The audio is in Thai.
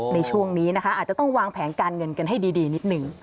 ในช่วงนี้นะคะอาจจะต้องวางแผนการเงินกันให้ดีนิดหนึ่ง